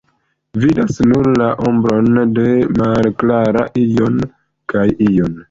Vidas nur la ombron de malklara ion kaj iun.